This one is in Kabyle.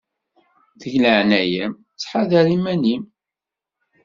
Deg leɛnaya-m ttḥadar iman-im!